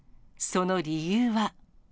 その理由は。